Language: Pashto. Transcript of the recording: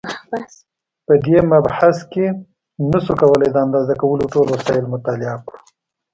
په دې مبحث کې نشو کولای د اندازه کولو ټول وسایل مطالعه کړو.